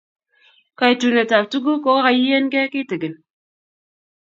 Kaitunetap tuguk ko kaiengei kitigin